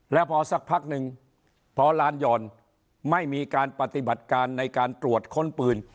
แล้วพอสักพักหนึ่งพอลานหย่อนไม่มีการปฏิบัติการในการตรวจค้นปืน